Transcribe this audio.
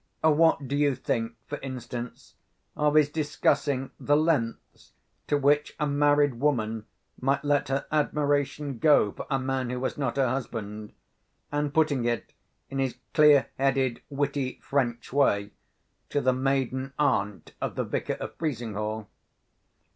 What do you think, for instance, of his discussing the lengths to which a married woman might let her admiration go for a man who was not her husband, and putting it in his clear headed witty French way to the maiden aunt of the Vicar of Frizinghall?